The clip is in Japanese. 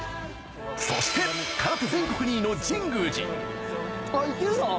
そして空手、全国２位の神宮寺。